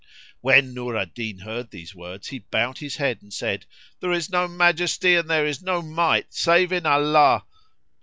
When Nur al Din heard these words he bowed his head and said, "There is no Majesty and there is no Might save in Allah!"